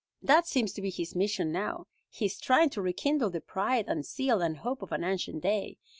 "That seems to be his mission now. He is trying to rekindle the pride and zeal and hope of an ancient day.